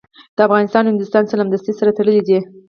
د افغانستان او هندوستان سلامتي سره تړلي دي.